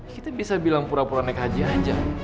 kita bisa bilang pura pura naik haji aja